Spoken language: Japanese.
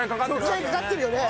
食材にかかってるよね。